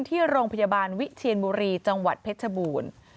ที่โรงพยาบาลวิเทียนบุรีจมเพชรชบูรณ์